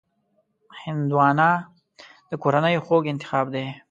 هندوانه د کورنیو خوږ انتخاب دی.